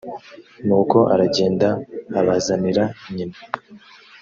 nuko aragenda abazanira nyina